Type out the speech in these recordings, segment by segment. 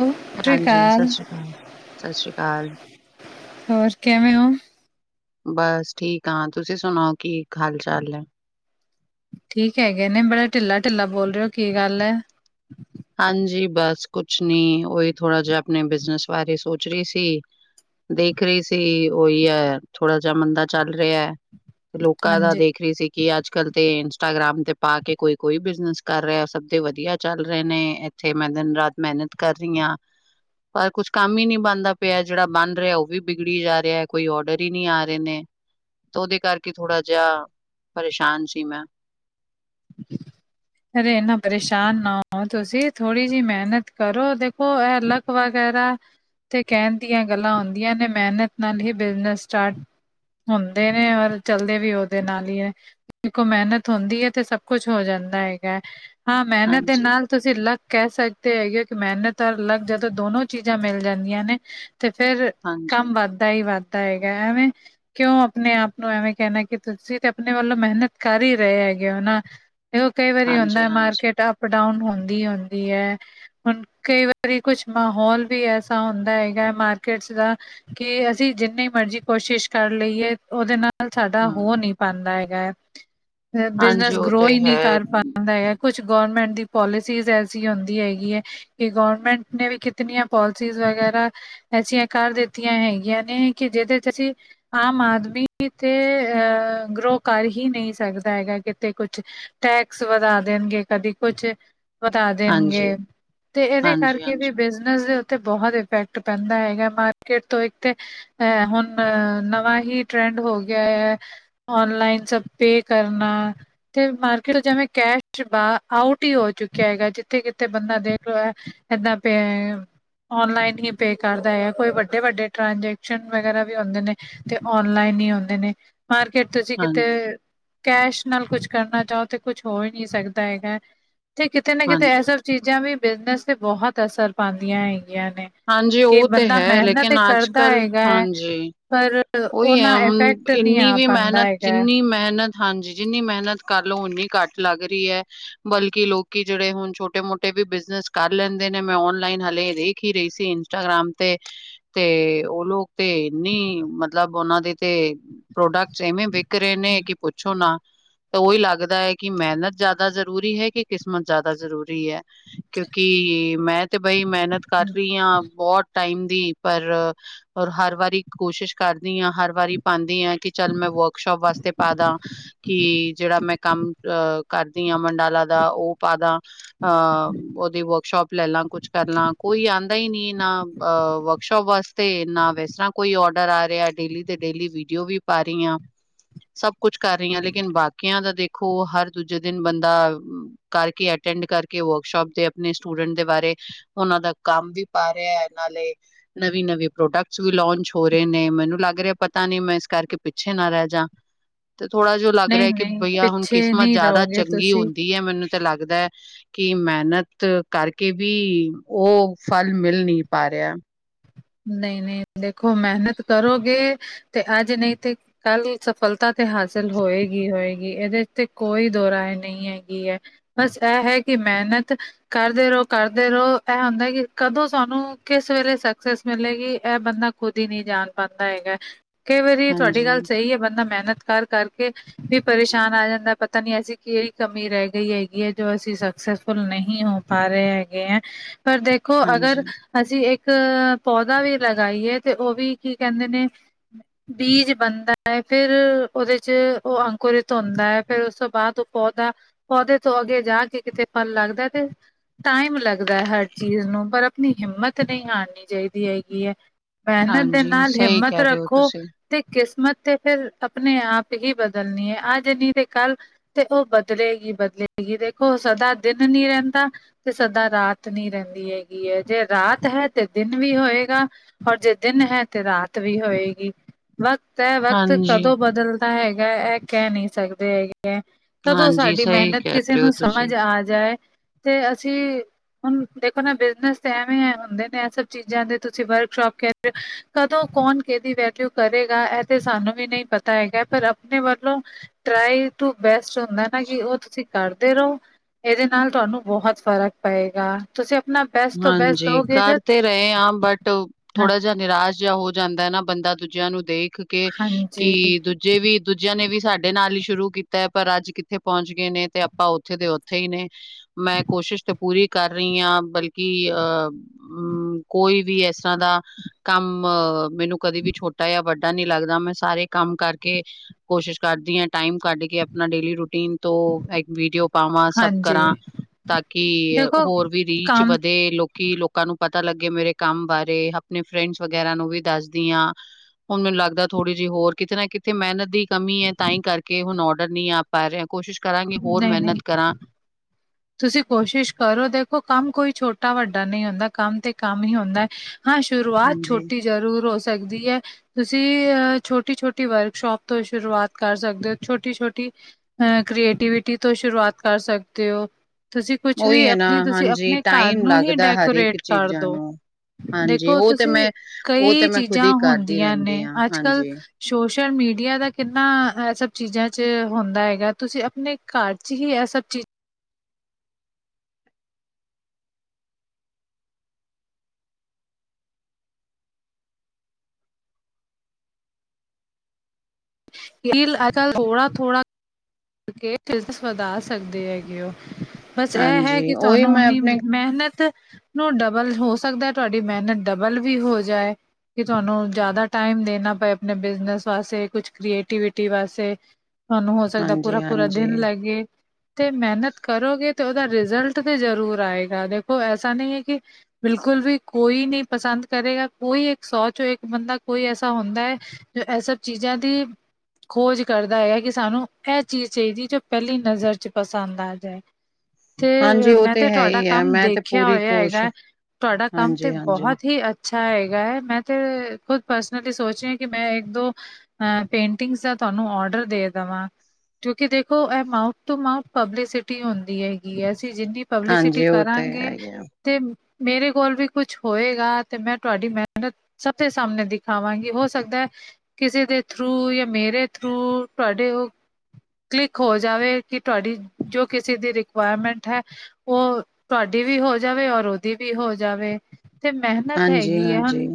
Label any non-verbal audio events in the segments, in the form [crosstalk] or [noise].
Hello, ਸਤਿ ਸ਼੍ਰੀ ਹਾਂਜੀ ਅਕਾਲ ਸਤਿ ਸ੍ਰੀ ਅਕਾਲ। ਸਤਿ ਸ੍ਰੀ ਅਕਾਲ। ਹੋਰ ਕੈਵੇਂ ੳ? ਬਸ ਠੀਕ ਆਂ। ਤੁਸੀ ਸੁਣਾਓ? ਕੀ ਖਾਲ ਚਾਲ ਐ। ਠੀਕ ਹੈਗੇ ਨੇ ਬੜਾ ਢਿੱਲਾ-ਢਿੱਲਾ ਬੋਲ ਰਹੇ ੳ। ਕੀ ਗੱਲ ਐ? ਹਾਂਜੀ ਬਸ ਕੁਛ ਨੀ, ਉਹੀ ਥੋੜਾ ਜਿਆ ਅਪਣੇ ਬਿਜਨਸ ਬਾਰੇ ਸੋਚ ਰਹੀ ਸੀ। ਦੇਖ ਰਹੀ ਸੀ ੳਈ ਐ ਥੋੜਾ ਜਾ ਮੰਦਾ ਚੱਲ ਰਿਆ। ਲੋਕਾਂ ਦਾ ਹਾਂਜੀ ਦੇਖ ਰੀ ਸੀ ਕਿ ਅੱਜ ਕਲ ਤੇ ਇੰਸਟਾਗ੍ਰਾਮ ਤੇ ਪਾ ਕੇ ਕੋਈ ਕੋਈ ਬਿਜਨਸ ਕਰ ਰੇਆ, ਸਭ ਦੇ ਵਧਿਆ ਚੱਲ ਰਹੇ ਨੇ ਏਥੇ ਮੈਂ ਦਿਨ- ਰਾਤ ਮੇਹਨਤ ਕਰ ਰਹੀ ਆ। ਪਰ ਕੁਛ ਕੰਮ ਹੀ ਨੀ ਬਨਦਾ ਪਿਆ ਜੇਹੜਾ ਬਨ ਰਿਹਾ ੳਹ ਵੀ ਬਿਗੜੀ ਜਾ ਰਿਹਾ ਕੋਈ ਔਡਰ ਈ ਨੀ ਆ ਰਹੇ ਨੇ। ਤੋ ੳਦੇ ਕਰਕੇ ਥੋੜਾ ਜੇਆ ਪਰੇਸ਼ਾਨ ਸੀ ਮੈਂ। ਜੀ। ਅਰੇ ਇੰਨਾ ਪਰੇਸ਼ਾਨ ਨਾ ਹੋ ਤੁਸੀਂ, ਥੋੜ੍ਹੀ ਜਿਹੀ ਮਿਹਨਤ ਕਰੋ, ਦੇਖੋ ਇਹ ਅਲੱਗ ਵਗੈਰਾ ਤੇ ਕਹਿਣ ਦੀਆਂ ਗੱਲਾਂ ਹੁੰਦੀਆਂ ਨੇ, ਮਿਹਨਤ ਨਾਲ ਹੀ ਬਿਜਨਸ ਸਟਾਟ ਹੁੰਦੇ ਨੇ ਔਰ ਚਲਦੇ ਵੀ ਉਹਦੇ ਨਾਲ ਹੀ ਹੈ, ਦੇਖੋ ਮਿਹਨਤ ਹੁੰਦੀ ਹੈ ਤੇ ਸਭ ਕੁਛ ਹੋ ਜਾਂਦਾ ਹੈਗਾ, ਹਾਂ ਮਿਹਨਤ ਦੇ ਹਾਂਜੀ, ਨਾਲ ਤੁਸੀਂ ਲੱਕ ਕਹਿ ਸਕਦੇ ਹੈਗੇ ਕਿ ਮਿਹਨਤ ਔਰ ਲਗ ਜਦੋਂ ਦੋਨੋ ਚੀਜ਼ਾਂ ਮਿਲ ਜਾਂਦੀਆਂ ਨੇ ਤੇ ਫੇਰ, ਹਾਂਜੀ, ਕੰਮ ਵੱਧਦਾ ਈ ਵੱਧਦਾ ਹੈਗਾ, ਐਵੇਂ ਕਿਉਂ ਆਪਣੇ-ਆਪ ਨੂੰ ਐਵੇਂ ਕਹਿਣਾ ਕਿ ਤੁਸੀਂ ਤੇ ਆਪਣੇ ਵੱਲੋਂ ਮਿਹਨਤ ਕਰ ਈ ਰ‌ਏ ਹੈਗੇ ਓ ਨਾ। ਇਹ ਕਈ ਵਾਰੀ ਹਾਂਜੀ, ਹੁੰਦਾ ਹਾਂਜੀ, ਮਾਰਕੀਟ ਅਪ ਡਾਊਨ ਹੁੰਦੀ- ਹੁੰਦੀ ਹੈ। ਹੁਣ ਕਈ ਵਾਰੀ ਕੁਛ ਮਾਹੌਲ ਵੀ ਐਸਾ ਹੁੰਦਾ ਹੈਗਾ ਮਾਰਕਿਟਸ ਦਾ ਕਿ ਅਸੀ ਜਿੰਨੀ ਮਰਜੀ ਕੋਸ਼ਿਸ਼ ਕਰ ਲਈਏ ੳਦੇ ਨਾਲ ਪਰ ਸਾਡਾ ਹੂੰ, ਹੋ ਨਹੀ ਪਾਂਦਾ ਹੈਗਾ ਹੈ। ਹਾਂਜੀ ਬਿਜਨਸ ਉਹ ਗੋ੍ ਤੇ ਈ ਨੀ ਹੈ, ਕਰ ਪਾ ਹਾਂਜੀ, ਹੁੰਦਾ ਹੈ। ਕੁਛ ਗੌਰਰਮੈਂਟ ਦੀ ਪੋਲਿਸੀਜ਼ ਐਸੀ ਹੁੰਦੀ ਹੈਗੀ ਏ। ਕਿ ਗੋਰਮੈਂਟ ਨੇ ਵੀ ਕਿਤਨੀਆਂ ਪੋਲਿਸੀਜ਼ ਵਗੈਰਾ ਐਸੀਆਂ ਕਰ ਦਿੱਤੀਆਂ ਹੈਗੀਆਂ ਨੇ ਕਿ ਜਿਦੇ ਚ ਅਸੀ ਆਮ ਆਦਮੀ ਤੇ ਅਹ ਗਰੋ ਕਰ ਹੀ ਨਹੀ ਸਕਦਾ ਹੈਗਾ ਕੇ ਤੇ ਕੁਛ ਟੈਕਸ ਵਧਾ ਦੇਣਗੇ ਕਦੀ ਕੁਛ ਵਧਾ ਦੇਣਗੇ ਹਾਂਜੀ, ਤੇ ਏਹਦੇ ਕਰਕੇ ਵੀ ਹਾਂਜੀ, ਬਿਜ ਨਸ ਦੇ ਉੱਤੇ ਬਹੁਤ ਇਫੈਕਟ ਪੈਂਦਾ ਹੈਗਾ ਮਾਰਕਿਟ ਤੋ ਇੱਕ ਤੇ ਐ ਹੁਣ ਨਵਾਂ ਹੀ ਟਰੈਂਡ ਹੋ ਗਿਆ ਹੈ ਔਨਲਾਈਨ ਸਬ ਪੇ ਕਰਨਾ ਤੇ ਮਾਰਕੀਟ ਜਵੇਂ ਕੈਸ਼ 'ਚ ਬਾ, ਆਊਟ ਈ ਹੋ ਚੁੱਕਿਆ ਹੈਗਾ। ਜਿੱਥੇ-ਕਿਥੇ ਬੰਦਾ ਦੇਖ ਲੋ ਐ। ਇਹਦਾ ਪ ਔਨਲਾਈਨ ਹੀ ਪੇ ਕਰਦਾ ਐ, ਕੋਈ ਵੱਡੇ-ਵੱਡੇ ਟ੍ਰਾਂਜੈਕਸ਼ਨ ਵਗੈਰਾ ਵੀ ਹੁੰਦੇ ਨੇ ਤੇ ਔਨਲਾਈਨ ਈ ਆਉਂਦੇ ਨੇ, ਮਾਰਕੀਟ ਤੁਸੀ ਕਿਤੇ, ਹਾਂਜੀ, ਕੈਸ਼ ਨਾਲ ਕੁਛ ਕਰਨਾ ਚਾਓ ਤੇ ਕੁਛ ਹੋ ਈ ਨੀ ਸਕਦਾ ਹੈਗਾ ਤੇ ਕਿਤੇ ਨਾ ਕਿਤੇ ਹਾਂਜੀ। ਐਸਾ ਚੀਜ਼ਾਂ ਵੀ ਬਿਜਨਸ ਤੇ ਬਹੁਤ ਅਸਰ ਪਾਂਦੀਆਂ ਹੈਗੀਆਂ ਨੇ। ਹਾਂਜੀ, ਕਿ ਉਹ ਤੇ ਬੰਦਾ ਹੈ ਮਿਹਨਤ ਲੇਕਿਨ ਤੇ ਕਰਦਾ ਅੱਜ-ਕੱਲ, ਹੈਗਾ ਹੈ ਹਾਂਜੀ। ਪਰ ਉਹ ਉਹੀ ਹੈ ਨਾ ਇਫੈਕਟ ਹ, ਨਹੀਂ ਇੰਨੀ ਆ ਵੀ ਪਾਉਂਦਾ ਮਿਹਨਤ, ਹੈਗਾ। ਜਿੰਨੀ ਮਿਹਨਤ ਹਾਂਜੀ, ਜਿੰਨੀ ਮਿਹਨਤ ਕਰ ਲੋ ਓਨੀ ਘੱਟ ਲੱਗ ਰੀ ਐ। ਬਲਕਿ ਲੋਕੀ ਜੇੜੇ ਹੁਨ ਛੋਟੇ ਮੋਟੇ ਵੀ ਬਿਜਨਸ ਕਰ ਲੈਂਦੇ ਨੇ ਮੈਂ ਓਨਲਾਈਨ ਹਲੇ ਦੀ ਦੇਖ ਈ ਰਈ ਸੀ ਇੰਸਟਾਗ੍ਰਾਮ ਤੇ। ਤੇ ਉਹ ਲੋਕ ਤੇ ਏਨੀ ਮਤਲਬ ਉਹਨਾ ਦੇ ਤੇ ਪ੍ਰੋਡਕਟ ਏਵੇਂ ਵਿਕ ਰਹੇ ਨੇ ਕਿ ਪੁੱਛੋ ਨਾ। ਤਾਂ ਓਈ ਲੱਗਦਾ ਐ ਕਿ ਮਿਹਨਤ ਜ਼ਿਆਦਾ ਜ਼ਰੂਰੀ ਹੈ ਕਿ ਕਿਸਮਤ ਜ਼ਿਆਦਾ ਜ਼ਰੂਰੀ ਐ। ਕਿਉਂਕਿ ਮੈਂ ਤੇ ਬਈ ਮਿਹਨਤ ਕਰ ਰਈ ਆਂ ਬਹੋਤ ਟਾਈਮ ਦੀ ਪਰ ਔਰ ਹਰ ਵਾਰੀ ਕੋਸ਼ਿਸ਼ ਕਰਦੀ ਆਂ ਹਰ ਵਾਰੀ ਪਾਂਦੀ ਆ ਕਿ ਚੱਲ ਮੈਂ ਵਰਕਸ਼ੋਪ ਵਾਸਤੇ ਪਾ ਦਾਂ। ਕੀ ਜੇੜਾ ਮੈਂ ਕੰਮ ਅਹ ਕਰਦੀ ਆਂ ਮੰਡਾਲਾ ਦਾ ਓ ਪਾਦਾ। ਹਾਂ ਓਦੀ ਵਰਕਸ਼ੌਪ ਲੈ ਲਾਂ ਕੁਛ ਕਰ ਲਾਂ ਕੋਈ ਆਂਦਾ ਹੀ ਨੀ ਨਾ ਵਰਕਸ਼ੌਪ ਵਾਸਤੇ ਨਾ ਏਸ ਤਰ੍ਹਾਂ ਕੋਈ ਔਡਰ ਆ ਰਿਆ ਡੇਲੀ ਤੇ ਡੇਲੀ ਵੀਡੀਓ ਵੀ ਪਾ ਰੀਆਂ। [inaudible] ਸਭ ਕੁਛ ਕਰ ਰਹੀ ਆ, ਲੇਕਿਨ ਬਾਕੀਆਂ ਦਾ ਦੇਖੋ ਹਰ ਦੂਜੇ ਦਿਨ ਬੰਦਾ ਕਰਕੇ ਅਟੈਂਡ ਕਰਕੇ ਵਰਕਸ਼ੋਪ ਦੇ ਆਪਣੇ ਸਟੂਡੈਂਟ ਦੇ ਬਾਰੇ ਉਹਨਾਂ ਦਾ ਕੰਮ ਵੀ ਪਾ ਰਿਹਾ ਨਾਲੇ ਨਵੀਂ ਨਵੇਂ ਪ੍ਰੋਡਕਟਸ ਵੀ ਲੋਂਚ ਹੋ ਰਹੇ ਨੇ ਮੈਨੂੰ ਲੱਗ ਰਿਹਾ ਪਤਾ ਨੀ ਮੈਂ ਇਸ ਕਰਕੇ ਪਿੱਛੇ ਨਾ ਰਹਿ ਜਾ [inaudible] ਤੇ ਥੋੜਾ ਜਿਹਾ ਲੱਗ ਰਿਹਾ ਕਿ ਨਹੀਂ-ਨਹੀਂ ਭਈਆ ਹੁਣ ਪਿੱਛੇ ਕਿਸਮਤ ਨਹੀਂ ਜ਼ਿਆਦਾ ਰਹੋਗੇ ਚੰਗੀ ਤੁਸੀਂ ਹੁੰਦੀ ਹੈ ਮੈਨੂੰ ਤੇ ਲੱਗਦੈ ਕਿ ਮਿਹਨਤ ਕਰਕੇ ਬੀ ਔ ਫਲ ਮਿਲ ਨੀ ਪਾ ਰਿਆ। ਨਈ-ਨਈ ਦੇਖੋ ਮਿਹਨਤ ਕਰੋਗੇ ਤੇ ਅੱਜ ਨਈ ਤੇ ਕੱਲੀ ਸਫਲਤਾ ਤੇ ਹਾਸਿਲ ਹੋਏਗੀ, ਹੋਏਗੀ। ਏਦੇ 'ਚ ਤੇ ਕੋਈ ਦੋਰਾਏ ਨਈ ਹੈਗੀ ਐ। ਬਸ ਐ ਹੈ ਕਿ ਮਿਹਨਤ ਕਰਦੇ ਰੋ, ਕਰਦੇ ਰੋ ਇਹ ਹੁੰਦੈ ਕਿ ਕਦੋਂ ਸਾਨੂੰ ਕਿਸ ਵੇਲੇ ਸ ਸ ਮਿਲੇਗੀ ਐ ਬੰਦਾ ਖੁਦ ਈ ਨੀ ਜਾਣ ਪਾਂਦਾ ਹੈਗੇ। ਕਈ ਵਾਰੀ ਤੁਆਡੀ ਹਾਂਜੀ ਗੱਲ ਸਈ ਏ ਬੰਦਾ ਮਿਹਨਤ ਕਰ ਕਰ ਕੇ ਵੀ ਪਰੇਸ਼ਾਨ ਆ ਜਾਂਦਾ ਪਤਾ ਨੀ ਅਸੀ ਕੀ ਈ ਕਮੀ ਰਹਿ ਗਈ ਹੈਗੀ ਏ ਜੋ ਅਸੀ ਸਫਲ ਨਹੀ ਹੋ ਪਾ ਰਏ ਹੈਗੇ ਐ ਪਰ ਦੇਖੋ ਅਗਰ ਹਾਂਜੀ ਅਸੀ ਇੱਕ ਪੌਧਾ ਵੀ ਲਗਾਈਏ ਤੇ ਔ ਵੀ ਕੀ ਕੈਂਦੇ ਨੇ ਬੀਜ ਬਨਦਾ ਐ ਫਿਰ ਓਦੇ ਚ ਓ ਅੰਕੁਰਿਤ ਹੁੰਦਾ ਐ ਫੇਰ ਓਸ ਤੋਂ ਬਾਅਦ ਪੌਦਾ, ਪੌਦੇ ਤੋਂ ਅੱਗੇ ਜਾ ਕੇ ਕਿਤੇ ਫਲ ਲੱਗਦਾ ਤੇ। ਟਾਈਮ ਲੱਗਦਾ ਹਰ ਚੀਜ਼ ਨੂੰ ਪਰ ਆਪਣੀ ਹਿੰਮਤ ਨਈ ਹਾਰਨੀ ਚਾਹੀਦੀ ਹੈਗੀ ਔ। ਮੈਹਨਤ ਦੇ ਹਾਂਜੀ ਨਾਲ ਸਹੀ ਹਿੰਮਤ ਕਹਿ ਰਹੇ ਹੋ ਰੱਖੋ। ਤੁਸੀਂ ਤੇ ਕਿਸਮਤ ਤੇ ਫਿਰ ਆਪਣੇ ਆਪ ਹੀ ਬਦਲਨੀ ਐ ਅੱਜ ਨਈ ਤੇ ਕੱਲ। ਤੇ ਉਹ ਬਦਲੇਗੀ-ਬਦਲੇਗੀ, ਦੇਖੋ ਸਦਾ ਦਿਨ ਨੀ ਰਹਿੰਦਾ ਤੇ ਸਦਾ ਰਾਤ ਨੀ ਰਹਿੰਦੀ ਹੈਗੀ ਐ ਜੇ ਰਾਤ ਹੈ ਤੇ ਦਿਨ ਵੀ ਹੋਏਗਾ। ਔਰ ਜੇ ਦਿਨ ਹੈ ਤੇ ਰਾਤ ਵੀ ਹੋਏਗੀ ਵਕਤ ਹੈ ਵਕਤ ਹਾਂਜੀ ਕਦੋਂ ਬਦਲਦਾ ਹੈਗਾ ਇਹ ਕਹਿ ਨਹੀਂ ਸਕਦੇ ਹੈਗੇ ਹੈ ਕਦੋਂ ਹਾਂਜੀ, ਸਾਡੀ ਸਹੀ ਮਿਹਨਤ ਕਹਿ ਕਿਸੇ ਰਹੇ ਹੋ ਨੂੰ ਤੁਸੀਂ। ਸਮਝ ਆ ਜਾਏ ਤੇ ਅਸੀਂ ਹੁਣ ਦੇਖੋ ਨਾ ਬਿਜਨਸ ਤੇ ਐਵੇਂ ਹੁੰਦੇ ਨੇ ਚੀਜ਼ਾਂ ਦੇ ਤੁਸੀਂ ਵਰਕਸ਼ੋਪ ਕਹਿ ਰਹੇ ਹੋ ਕਦੋਂ ਕੌਣ ਕਿਹਦੀ ਵੈਲਿਊ ਕਰੇਗਾ ਇਹ ਤੇ ਸਾਨੂੰ ਵੀ ਨਹੀਂ ਪਤ ਤੇ ਹੈਗਾ ਪਰ ਆਪਣੇ ਵੱਲੋਂ ਟਰਾਈ ਟੂ ਬੈਸਟ ਹੁੰਦਾ ਨਾ ਕਿ ਉਹ ਤੁਸੀਂ ਕਰਦੇ ਰਹੋ। ਏਦੇ ਨਾਲ ਤੁਆਨੂੰ ਬੋਹੋਤ ਫ਼ਰਕ ਪਏਗਾ। ਤੁਸੀਂ ਆਪਣਾ ਬੈਸਟ ਤੋਂ ਬੈਸਟ ਦੋਗੇ ਤ ਆਂ ਬਟ ਥੋੜਾ ਜਿਆ ਨਿਰਾਸ਼ ਜਿਆ ਹੋ ਜਾਂਦੈ ਨਾ ਬੰਦਾ ਦੂਜਿਆਂ ਨੂੰ ਦੇਖ ਕੇ ਹਾਂਜੀ ਕੀ ਦੂ ਜੇ ਵੀ, ਦੂਜਿਆਂ ਨੇ ਵੀ ਸਾਡੇ ਨਾਲ ਈ ਸ਼ੁਰੂ ਕੀਤਾ ਐ ਪਰ ਅੱਜ ਕਿੱਥੇ ਪੋਂਚ ਗਏ ਨੇ ਤੇ ਆਪਾਂ ਔਥੇ ਦੇ ਔਥੇ ਈ ਨੇ। ਮੈਂ ਕੋਸ਼ਿਸ਼ ਤ ਪੂਰੀ ਕਰ ਰਈ ਆਂ ਬਲ ਕਿ ਅ ਮ ਕੋਈ ਵੀ ਐਸਰਾਂ ਦਾ ਕੰਮ ਮੈਨੂੰ ਕਦੀ ਵੀ ਛੋਟਾ ਯਾਂ ਵੱਡਾ ਨੀ ਲੱਗਦਾ ਮੈਂ ਸਾਰੇ ਕੰਮ ਕਰਕੇ ਕੋਸ਼ਿਸ਼ ਕਰਦੀ ਆਂ ਟਾਈਮ ਕੱਢ ਕੇ ਆਪਣਾ ਡੇਲੀ ਰੋਟੀਨ ਤੋਂ ਐ ਇੱਕ ਵੀਡੀਓ ਪਾਵਾਂ ਸਭ ਹਾਂਜੀ ਕਰਾਂ ਤਾਂ ਕਿ ਦੇਖੋ ਹੋਰ ਵੀ ਰੀ ਕੰਮ ਦੇ ਲੋਕੀ ਲੋਕਾਂ ਨੂੰ ਪਤਾ ਲੱਗੇ ਮੇਰੇ ਕੰਮ ਬਾਰੇ। ਆਪਣੇ ਫਰੈਂਡਸ ਵਗੈਰਾ ਨੂੰ ਵੀ ਦੱਸਦੀ ਆਂ। ਹੁਣ ਮੈਨੂੰ ਲਗਦਾ ਥੋੜ੍ਹੀ ਜੀ ਹੋਰ ਕਿਤੇ ਨਾ ਕਿਤੇ ਮਿਹਨਤ ਦੀ ਕਮੀ ਐ ਤਾਂ ਈ ਕਰਕੇ ਹੁਣ ਔਡਰ ਨੀ ਆ ਪਾ ਰੇ। ਕੋਸ਼ਿਸ਼ ਕਰਾਂਗੇ ਹੋਰ ਮਿਹਨਤ ਕਰਾਂ ਤੁਸੀ ਕੋਸ਼ਿਸ਼ ਕਰੋ ਦੇਖੋ ਕੰਮ ਕੋਈ ਛੋਟਾ ਵੱਡਾ ਨਈ ਹੁੰਦਾ, ਕੰਮ ਤੇ ਕੰਮ ਈ ਹੁੰਦੈ। ਹਾਂ, ਸ਼ੁਰੂਆਤ ਹਾਂਜੀ ਛੋਟੀ ਜ਼ਰੂਰ ਹੋ ਸਕਦੀ ਐ। ਤੁਸੀ ਅ ਛੋਟੀ-ਛੋਟੀ ਵਰਕਸ਼ੋਪ ਤੋਂ ਸ਼ੁਰੂਆਤ ਕਰ ਸਕਦੇ ਔ, ਛੋਟੀ-ਛੋਟੀ ਅ ਕ੍ਰੀਏਟੀਵਿਟੀ ਤੋਂ ਸ਼ੁਰੂਆਤ ਕਰ ਸਕਦੇ ਔ। ਤੁਸੀ ਕੁਛ ਉਹੀ ਵੀ ਹੈ ਨਾ ਆਪਣੀ, ਤੁਸੀ ਹਾਂਜੀ ਆਪਣੇ ਘਰ ਟਾਈਮ ਨੂੰ ਹੀ ਲੱਗਦਾ ਹਰੇਕ ਡੈਕੋਰੇਟ ਕਰ ਚੀਜ਼ਾਂ ਦੋ। ਨੂੰ। ਹਾਂਜੀ ਦੇਖੋ ਉਹ ਤੇ ਤੁਸੀ ਮੈਂ ਉਹ ਤੇ ਕਈ ਮੈਂ ਖੁਦ ਚੀਜ਼ਾਂ ਹੀ ਕਰਦੀ ਹੁੰਦੀਆਂ ਨੇ ਰਹਿੰਦੀ ਹਾਂ ਅੱਜ ਕੱਲ੍ਹ ਹਾਂਜੀ। ਸੋਸ਼ਲ ਮੀਡੀਆ ਦਾ ਕਿੰਨਾ ਅ ਸਭ ਚੀਜ਼ਾਂ 'ਚ ਹੁੰਦਾ ਹੈਗਾ। ਤੁਸੀ ਆਪਣੇ ਘਰ 'ਚ ਹੀ ਐ ਸਭ ਚੀ ਫਿਰ ਅਗਰ ਥੋੜਾ-ਥੋੜਾ ਕੇ [unintelligible] ਵਧਾ ਸਕਦੇ ਹੈਗੇ ਔ। ਬਸ ਐ ਹੈ ਹਾਂਜੀ ਕਿ ਉਹੀ ਤੁਆਨੂੰ ਮੈਂ ਔਨੀ ਆਪਣੇ ਮਿਹਨਤ ਨੋ ਡਬਲ ਹੋ ਸਕਦੈ ਤੁਆਡੀ ਮਿਹਨਤ ਡਬਲ ਵੀ ਹੋ ਜਾਏ ਕਿ ਤੁਆਨੂੰ ਜ਼ਿਆਦਾ ਟਾਈਮ ਦੇਣਾ ਪਏ ਆਪਣੇ ਬਿਜਨਸ ਵਾਸੇ, ਕੁਛ ਕ੍ਰੀਏਟੀਵਿਟੀ ਵਾਸੇ ਤੁਆਨੂੰ ਹੋ ਸਕਦਾ ਪੂਰਾ-ਪੂਰਾ ਹਾਂਜੀ-ਹਾਂਜੀ। ਦਿਨ ਹਾਂਜੀ ਲਗੇ ਤੇ ਮਿਹਨਤ ਕਰੋਗੇ ਤੇ ਔਦਾ ਰਿਜ਼ਲਟ ਵੀ ਜ਼ਰੂਰ ਆਏਗਾ। ਦੇਖੋ ਐਸਾ ਨੀ ਐ ਕਿ ਬਿਲਕੁਲ ਵੀ ਕੋਈ ਨੀ ਪਸੰਦ ਕਰੇਗਾ। ਕੋਈ ਇੱਕ ਸੌ ਚੋਂ ਇੱਕ ਬੰਦਾ ਕੋਈ ਐਸਾ ਹੁੰਦੈ ਜੋ ਐ ਸਭ ਚੀਜ਼ਾਂ ਦੀ ਖੋਜ ਕਰਦਾ ਹੈਗੇ ਕਿ ਸਾਨੂੰ ਐ ਚੀਜ਼ ਚਾਈਦੀ ਜੋ ਪੈਲੀ ਨਜ਼ਰ 'ਚ ਪਸੰਦ ਆ ਜਾਏ ਤੇ ਹਾਂਜੀ ਉਹ ਮੈਂ ਤੇ ਹੈ ਤੁਆਡਾ ਹੀ ਹੈ ਕੰਮ ਮੈਂ ਤੇ ਦੇਖਿਆ ਪੂਰੀ ਹੋਇਆ ਕੋਸ਼ ਹੈਗੈ। ਤੁਆਡਾ ਕੰਮ ਤੇ ਹਾਂਜੀ-ਹਾਂਜੀ। ਬੋਹੋਤ ਹੀ ਅੱ ਛਾ ਹੇਗੈ। ਮੈਂ ਤੇ ਖੁਦ ਪਰਸਨਲੀ ਸੋਚ ਰੀ ਕਿ ਮੈਂ ਇੱਕ-ਦੋ ਅ ਪੇਂਟਿੰਗਸ ਦਾ ਤੁਆਨੂੰ ਔਡਰ ਦੇ ਦਵਾਂ ਕਿਉਂਕਿ ਦੇਖੋ ਐ ਮਾਊਥ ਟੂ ਮਾਊਥ ਪਬਲੀਸਿਟੀ ਹੁੰਦੀ ਹੈਗੀ ਐ। ਅਸੀ ਜਿੰਨੀ ਪਬਲੀਸਿਟੀ ਹਾਂਜੀ, ਉਹ ਤਾਂ ਕਰਾਂਗੇ ਹੈ ਹੀ ਆ, ਤੇ ਮੇਰੇ ਕੋਲ ਵੀ ਕੁਛ ਹੋਏਗਾ ਤੇ ਮੈਂ ਤੁਆਡੀ ਮੇਹਨਤ ਸਭ ਦੇ ਸਾਮਣੇ ਦਿਖਾਵਾਂਗੀ। ਹੋ ਸਕਦੈ ਕਿਸੇ ਦੇ ਥਰੂ ਯਾਂ ਮੇਰੇ ਥਰੂ ਤੁਆਡੇ ਔ ਕਲਿੱਕ ਹੋ ਜਾਵੇ ਕਿ ਤੁਆਡੀ ਜੋ ਕਿਸੇ ਦੀ ਰਿਕੁਆਇਰਮੈਂਟ ਹੈ ਉਹ ਤੁਹਾਡੀ ਵੀ ਹੋ ਜਾਵੇ। ਔਰ ਉਹਦੀ ਵੀ ਹੋ ਜਾਵੇ। ਤੇ ਮਿਹਨਤ ਹੈਗੀ ਆਂ। ਹੁਣ ਹਾਂਜੀ-ਹਾਂਜੀ।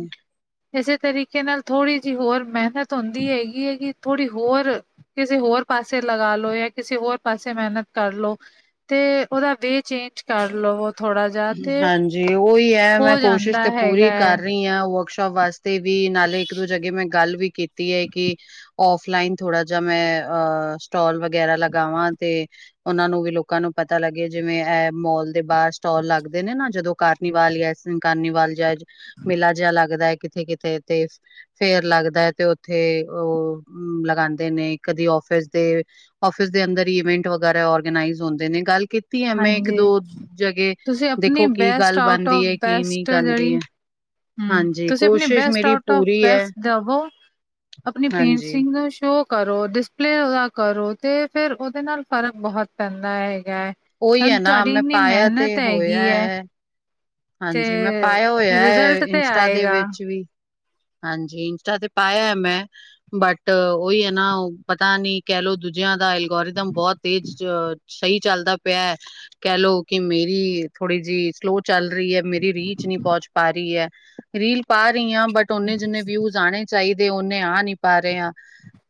ਇਸੇ ਤਰੀਕੇ ਨਾਲ ਥੋੜ੍ਹੀ ਜਿਹੀ ਹੋਰ ਮਿਹਨਤ ਹੁੰਦੀ ਹੈਗੀ ਹੈਗੀ। ਥੋੜ੍ਹੀ ਹੋਰ ਕਿਸੇ ਹੋਰ ਪਾਸੇ ਲਗਾ ਲੋ ਜਾਂ ਕਿਸੇ ਹੋਰ ਪਾਸੇ ਮਿਹਨਤ ਕਰ। ਲੋ ਤੇ। ਉਹਦਾ ਵੇ ਚੇਂਜ ਕਰ ਲ ਹਾਂਜੀ। ਉਹੀ ਹੈ ਮੈਂ ਹੋ ਕੋਸ਼ਿਸ਼ ਜਾਂਦਾ ਤੇ ਪੂਰੀ ਹੈਗਾ ਹੈ ਕਰ ਰਹੀ ਹਾਂ। ਵਰਕ ਵਾਸਤੇ ਵੀ ਨਾਲੇ। ਇੱਕ ਦੋਂ ਜਗੇ ਮੈਂ ਗੱਲ ਵੀ ਕੀਤੀ ਹੈ। ਕਿ ਓਫਲਈਂਨ ਥੋੜਾ ਜਾਂ ਮੈਂ ਸਟੋਲ ਵਗੈਰਾ ਲਗਾਵਾਂ। ਤੇਂ ਉਹਨਾਂ ਨੂੰ ਵੀ ਲੋਕਾਂ ਨੂੰ ਪਤਾ ਲੱਗੇ। ਜਿਵੇਂ ਇਹ ਮੋਲ ਦੇ ਬਾਹਰ ਸਟੋਲ ਲੱਗਦੇ ਨੇ ਨਾਂ। ਜਦੋਂ ਕਾਰਨੀਵਾਲ ਜਾਂ ਕਾਰਨੀਵਾਲ ਜਾਂ ਮੇਲਾ ਜਾਂ ਲੱਗਦਾ। ਕਿਥੇ ਕਿਥੇ ਤੇ ਫੇਰ ਲੱਗਦਾ। ਏ ਤੇ ਉੱਥੇ ਉਹ ਲਗਾਉਦੇ ਨੇ। ਕਦੀ ਅੋਫਿਸ ਦੇਂ ਅੋਫਿਸ ਦੇ ਅੰਦਰ ਇਵੈਂਟ ਵਗਰਾ ਰਗਨਾਈਜ ਹੁੰਦੇ ਨੇ। ਗੱਲ ਕੀਤੀ ਆਂ ਮੈਂ ਇੱਕ ਹਾਂਜੀ ਦੋ ਜੵਗੇ ਤੁਸੀਂ ਆਪਣੀ ਬੈਸਟ ਆਊਟ ਆਫ। ਨਹੀਂ ਬੈਸਟ ਬਣਦੀ ਜੇਹੜੀ ਏ ਹੂੰ ਹਾਂਜੀ ਤੁਸੀਂ ਆਪਣੀ ਕੋਸ਼ਿਸ਼ ਬੈਸਟ ਮੇਰੀ ਆਊਟ ਆਫ਼ ਪੂਰੀ ਹੈ ਬੈਸਟ ਦਵੋ। ਆਪਣੀ ਪੇਟਸ਼ ਹਾਂਜੀ ਨ ਨੂੰ ਸ਼ੋ ਕਰੋ। ਡਿਸਪਲੇ ਓਦਾ ਕਰੋਂ ਤੇ ਫ਼ੇਰ ਉਹਦੇ ਨਾਲ ਫ਼ਰਕ ਬਹੁਤ ਪੈਂਦਾ ਹੈਗਾ। ਓਈ ਹੁਣ ਹੈਂ ਨਾਂ ਤੁਹਾਡੀ ਮੈਂ ਇੰਨੀ ਪਾਇਆ ਤੇ ਮਿਹਨਤ ਹੋਇਆ। ਹੈਗੀ ਹੈ ਤੇ ਹਾਂਜੀ ਮੈਂ ਪਾਇਆ ਹੋਇਆਂ। ਰਿਜ਼ਲਟ ਤੇ ਇੰਸ਼ਟਾ ਦੇ ਆਏਗਾ ਵਿੱਚ ਵੀ। ਹਾਂਜੀ ਇੰਸ਼ਟਾ ਤੇ ਪਾਇਆ। ਮੈਂ ਬਟ ਉਹੀਂ ਹੈ ਨਾਂ ਪਤਾ ਨੀਂ ਕੇਹਲੋ ਦੂਜਿਆਂ ਦਾ ਐਲਗੋਰਿਦਮ ਬਹੁਤ ਤੇਜ਼। ਸਹੀਂ ਚੱਲਦਾ ਪਿਆਂ। ਕੇ ਲੋੋ ਕਿ ਮੇਰੀ ਥੋੜੀ ਜੀ ਸੵਲੋ ਚੱਲ ਰਈਂ ਏਂ ਮੇਰੀ ਰੀਚ ਨੀ ਪਹੁੰਚ ਪਾ ਰੀ ਏ। ਰੀਲ ਪਾ ਰੀ ਆਂ। ਬਟ ਓਨੇ ਜਿੰਨੇ ਵਿਊਜ਼ ਆਣੇ ਚਾਹੀਦੇਂ। ਓਨੇ ਆਂ ਨੀਂ ਪਾ ਰੇ ਆ।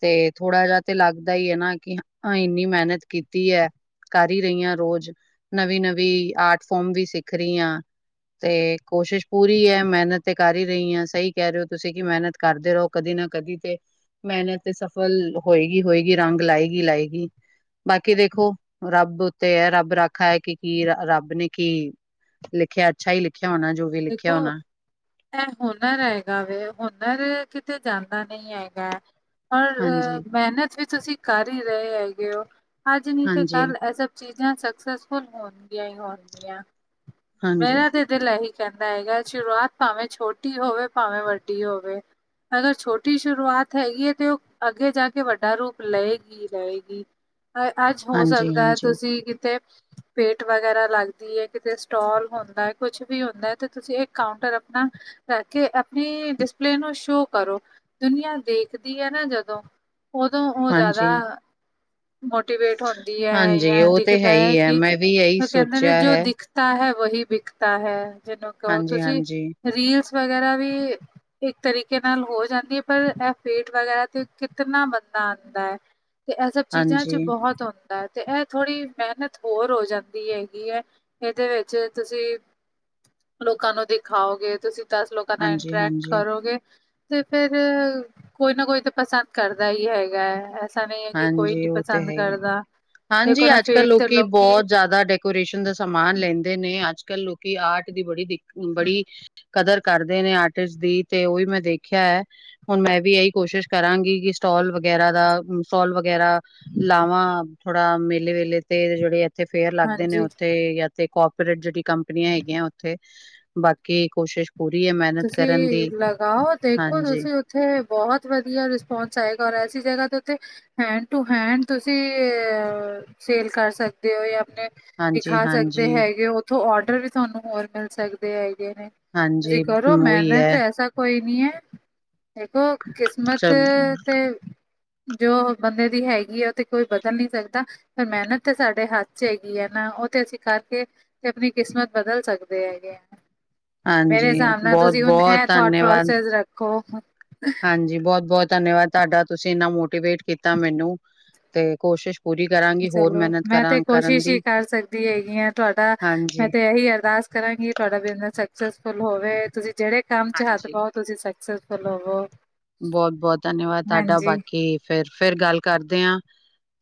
ਤੇ ਥੋੜ੍ਹਾ ਏਦਾ ਤੇ ਲੱਗਦਾ ਈ ਹੈ ਨਾਂ। ਕਿ ਇੰਨੀ ਮਿਹਨਤ ਕੀਤੀਂ ਏਂ। ਕਰ ਈ ਰਹੀ ਹਾਂ ਰੋਜ਼। ਨਵੀਂ ਨਵੀਂ ਆਰਟ ਫੋਮ ਵੀ ਸਿੱਖ ਰਈ ਆਂ। ਤੇ ਕੋਸ਼ਿਸ਼ ਪੂਰੀ ਏ ਮੇਹਨਤ ਤੇ ਕਰ ਈ ਰਈ ਆ ਸਹੀ। ਕਿਹ ਰੇ ਓ ਤੁਸੀਂ ਕਿ ਮੇਹਨਤ ਕਰਦੇ ਰਹੋ। ਕਦੀ ਨਾ ਕਦੀ ਤੇਂ ਮੇਹਨਤ ਤੇਂ ਸਫ਼ਲ ਹੋਏਗੀਂ ਹੋਏਗੀਂ। ਰੰਗ ਲਾਏਗੀਂ ਲਾਏਗੀ। ਬਾਕੀ ਹਾਂਜੀ ਦੇਖੋਂ ਰੱਬ। ਤੇਂ ਏਂ ਰੱਬ ਰਾਖਾ ਹੈਂ। ਕਿ ਕੀਂ ਰੱਬ ਨੇ ਕੀਂ ਲਿਖਿਆਂ ਅੱਛਾਂ ਈ ਲਿਖਿਆਂ ਹੋਣਾ। ਜੋ ਵੀ ਦੇਖੋ। ਲਿਖਿਆ ਹੋਣਾ ਏ ਹੁਨਰ ਹੈਗਾ ਵੇਂ। ਹੁਨਰ ਕਿਤੇ ਜਾਂਦਾ ਨਈਂ ਹੈਗਾ। ਪਰ ਹਾਂਜੀ ਮੇਹਨਤ ਵੀ ਤੁਸੀਂ ਕਰ ਹੀ ਰਹੇ ਹੈਂਗੇ ਓ। ਅੱਜ ਨੀਂ ਤੇ ਹਾਂਜੀ ਕੱਲ੍ਹ ਐਸ ਚੀਜ਼ਾਂ ਸਕਸੈਸਫੁੱਲ ਹੋਣਗੀਆਂ ਹੀਂ ਹੋਣਗੀਆਂ। ਹਾਂਜੀ ਮੇਰਾ ਤੇ ਦਿਲ ਏਹੀ ਕਹੰਦਾ ਹੈਗਾ ਸ਼ੁਰੂਆਤ ਭਾਵੇਂ ਛੋਟੀ ਹੋਵੇ। ਭਾਵੇਂ ਵੱਡੀ ਹੋਵੇ। ਅਗਰ ਛੋਟੀ ਸ਼ੁਰੂਆਤ ਹੈਗੀ ਏ। ਤੇਂ ਉਹ ਅੱਗੇ ਜਾਂ ਕੇ ਵੱਡਾ ਰੂਪ ਲਏਗੀ ਹੀ ਲਏਗੀ। ਅੱਜ ਹੋ ਹਾਂਜੀ ਸਕਦਾ। ਹਾਂਜੀ ਤੁਸੀਂ ਕਿਤੇ ਪੇਂਟ ਵਗੈਰਾ ਲੱਗਦੀ ਏਂ ਕਿਤੇ। ਸਟੋਲ ਹੁੰਦਾ ਐ। ਕੁੱਛ ਵੀਂ ਹੁੰਦਾ ਤੇ ਤੁਸੀਂ ਇਹ ਕਾਊਂਟਰ ਆਪਣਾ। ਕਰ ਕੇ ਆਪਣੀ ਡਿਸਪਲੇ ਨੂੰ ਸ਼ੋਅ ਕਰੋ। ਦੁਨੀਆਂ ਦੇਖਦੀ ਐ ਨਾਂ। ਜਦੋਂ ਉਦੋਂ ਉਹ ਜਿਆਦਾ। ਹਾਂਜੀ ਮੋ ਤੇ ਵੇਟ ਹੁੰਦੀ ਐਂ। ਹਾਂਜੀ, ਜਾਂ ਉਹ ਤੇ ਦਿਖਦਾ ਹੈ ਐਂ। ਹੀ ਹੈ, ਕਿ ਮੈਂ ਵੀ ਇਹੀ ਉਹ ਕਹਿੰਦੇ ਨੇ ਸੋਚਿਆ ਜੋ ਹੈ। ਦਿੱਖਦਾ ਤਾਂ ਹੈਂ ਵਹੀ ਵਿਕਤਾ ਹੈ। ਜਿਹਨੂੰ ਕਦੋਂ ਤੁਸੀਂ। ਹਾਂਜੀ-ਹਾਂਜੀ, ਰੀਲਸ ਵਗੈਰਾ ਵੀਂ ਇੱਕ ਤਰੀਕੇ ਨਾਲ ਹੋ ਜਾਂਦੀ ਐਂ। ਪਰ ਇਹ ਫੇਂਕ ਵਗੈਰਾ ਤੇਂ। ਕਿਤਨਾ ਬੰਦਾ ਆਉਂਦਾ ਐ। ਤੇ ਇਹ ਸਭ ਚੀਜ਼ਾਂ 'ਚ' ਹਾਂਜੀ, ਬਹੁਤ ਹੁੰਦਾ ਐਂ। ਤੇ ਇਹ ਥੋੜ੍ਹੀ ਮਿਹਨਤ ਹੋਰ ਹੋਂ ਜਾਂਦੀ ਹੈਗੀ ਐਂ। ਇਹਦੇ ਵਿੱਚ ਤੁਸੀਂ। ਲੋਕਾਂ ਨੂੰ ਦਿਖਾਓਗੇਂ। ਤੁਸੀਂ ਦਸ ਲੋਕਾਂ ਨਾਲ਼ ਹਾਂਜੀ-ਹਾਂਜੀ। ਇੰਟਰੈਂਕਟ ਹਾਂਜੀ, ਹਾਂਜੀ, ਕਰੋਂਗੇ। ਤੇ ਫੇਰ ਕੋਈ ਨਾਂ ਕੋਈ ਤੇ ਪਸੰਦ ਕਰਦਾ ਈ ਹੈਗਾ ਐਂ। ਹਾਂਜੀ ਉਹ ਤੇ ਹੈ ਈ ਐ। ਹਾਂਜੀ ਦੇਖੋ ਨਾ ਅੱਜ-ਕੱਲ੍ਹ ਫੇਟ ਤੇ ਲੋਕੀਂ ਲੋਕੀ ਬਹੁਤ ਜ਼ਿਆਦਾ ਡਿਗ ਕੋਰਸ਼ਨ ਦਾ ਸਮਾਨ ਲੈਂਦੇ ਨੇ। ਅੱਜ ਕੱਲ੍ਹ ਲੋਕੀ ਆਰਟ ਦੀ ਬੜੀ ਬੜੀ ਕਦਰ ਕਰਦੇ ਨੇਂ। ਆਰਟਿਸਟ ਦੀ ਤੇ ਉਹੀਂ ਮੈਂ ਦੇਖਿਆ। ਹੁਣ ਮੈਂ ਵੀ ਏਹੀ ਕੋਸ਼ਿਸ਼ ਕਰਾਂਗੀ ਕਿ ਸਟਾਲ ਵਗੈਰਾ ਦਾ ਸੋਲ ਵਗੈਰਾ ਲਾਵਾਂ, ਥੋੜਾ ਮੇਲੇ- ਵੇਲੇ ਤੇ ਜਿਹੜੇ ਫੇਅਰ ਲੱਗਦੇ ਨੇ ਹਾਂਜੀ ਉੱਥੇ ਜਾਂ ਤੇ ਕੋਪੋਰੇਟ ਜੈੜੀ ਕੰਪਨੀਆਂ ਹੈਗੀਆਂ ਓਥੇ, ਬਾਕੀ ਕੋਸ਼ਿਸ਼ ਪੂਰੀ ਹੈ ਮੈਂ ਤੁਸੀਂ ਲਗਾਓ, ਦੇਖੋ ਤੁਸੀਂ ਉੱਥੇ ਬੋਤ ਵਧੀਆ ਰਿਸਪੋਂਸ ਆਏਗਾ ਔਰ ਐਸੀ ਜਗ੍ਹਾ ਤੇ ਉੱਥੇ ਹੈਂਡ ਟੂ ਹੈਂਡ ਤੁਸੀਂ ਸੇਲ ਕਰ ਸਕਦੇ ਓ ਯਾ ਆਪਣੇ। ਹਾਂਜੀ, ਵਿਖਾ ਸਕਦੇ ਹਾਂਜੀ। ਹੈਗੇ ਓ ਉੱਥੋਂ ਅੋਡਰ ਵੀ ਤਾਨੂੰ ਹੋਰ ਮਿਲ ਸਕਦੇ ਹੈਗੇ ਨੇ। ਹਾਂਜੀ। ਤੁਸੀਂ ਕਰੋ ਉਹੀ ਮੈਹਨਤ ਹੈ ਐਸਾ ਕੋਈ ਨੀ ਐ, ਦੇਖੋ ਚ ਕਿਸਮਤ ਤੇ ਜੋ ਬੰਦੇ ਦੀ ਹੈਗੀ ਐ ਉਹ ਤੇ ਕੋਈ ਬਦਲ ਨਹੀਂ ਸਕਦਾ। ਪਰ ਮਿਹਨਤ ਤਾਂ ਸਾਡੇ ਹੱਥ ਚ ਹੈਗੀ ਐ ਨਾ, ਉਹ ਤੇ ਅਸੀਂ ਕਰਕੇ ਤੇ ਆਪਣੀ ਕਿਸਮਤ ਬਦਲ ਸਕਦੇ ਹੈਗੇ ਆ। ਮੇਰੇ ਹਾਂਜੀ, ਹਿਸਾਬ ਨਾਲ ਤੁਸੀਂ ਹੁਣ ਬਹੁਤ-ਬਹੁਤ ਇਹ ਥੋਟ ਧੰਨਵਾਦ। ਪ੍ਰੋਸੈਸ ਰੱਖੋ। ਹਾਂਜੀ, ਬਹੁਤ-ਬਹੁਤ ਧੰਨਵਾਦ ਤਾਡਾ। ਤੁਸੀਂ ਇੰਨਾ ਮੋਟੀਵੇਟ ਕੀਤਾ ਮੈਨੂੰ, ਤੇ ਕੋਸ਼ਿਸ਼ ਪੂਰੀ ਕਰਾਂ। ਹੋਰ ਚਲੋ, ਮਿਹਨਤ ਮੈਂ ਤੇ ਕਰਨ ਕੋਸ਼ਿਸ਼ ਹੀ ਦੀ ਕਰ ਸਕਦੀ ਹੈਗੀ ਆ ਤੁਹਾਡਾ, ਮੈਂ ਹਾਂਜੀ, ਤੇ ਇਹੀ ਅਰਦਾਸ ਕਰਾਂਗੀ ਤੁਹਾਡਾ ਬਿਜਨਸ ਸਕਸੈਸਫੁਲ ਹੋਵੇ, ਤੁਸੀਂ ਜਿਹੜੇ ਕੰਮ ਚ' ਹੱਥ ਹਾਂਜੀ। ਪਾਓ ਤੁਸੀਂ ਸਕਸੈਸ ਚਲੋਵੋ। ਬਹੁਤ-ਬਹੁਤ ਧੰਨਵਾਦ ਤਾਡਾ। ਬਾਕੀ ਫ਼ੇਰ, ਫ਼ੇਰ ਗੱਲ ਕਰਦੇ ਆਂ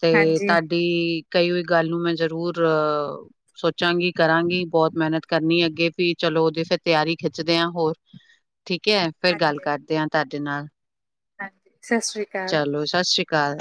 ਤੇ ਹਾਂਜੀ, ਤੁਹਾਡੇ ਕੀ ਕਈ ਹੋਈ ਗੱਲ ਨੂੰ ਮੈਂ ਜਰੂਰ ਅ ਸੋਚਾਂਗੀ, ਕਰਾਂਗੀ ਬਹੁਤ ਮਿਹਨਤ ਕਰਨੀ ਏ ਅੱਗੇ ਵੀ ਚਲੋ, ਉਹਦੀ ਫਿਰ ਤਿਆਰੀ ਖਿੱਚਦੇ ਆ ਹੋਰ। [inaudible] ਠੀਕ ਐ, ਫੇਰ ਗੱਲ ਹਾਂਜੀ, ਕਰਦੇ ਆਂ ਤੁਹਾਡੇ ਨਾਲ। ਹਾਂਜੀ, ਸਤਿ ਸ਼੍ਰੀ ਚਲੋ, ਸਤਿ ਸ਼੍ਰੀ ਅਕਾਲ।